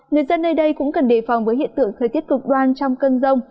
người dân nơi đây cũng cần đề phòng với hiện tượng thời tiết cực đoan trong cơn rông